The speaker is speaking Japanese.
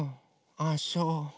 ああそう。